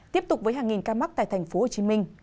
tiếp tục với hàng nghìn ca mắc tại tp hcm